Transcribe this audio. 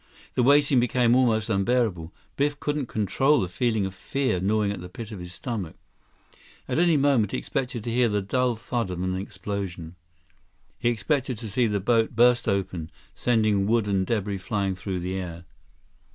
The waiting became almost unbearable. Biff couldn't control the feeling of fear gnawing at the pit of his stomach. Any moment, he expected to hear the dull thud of an explosion. He expected to see the boat burst open, sending wood and debris flying through the air.